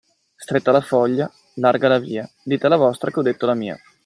Stretta la foglia, larga la via, dite la vostra che ho detto la mia.